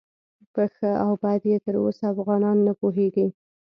په ښه او بد یې تر اوسه افغانان نه پوهیږي.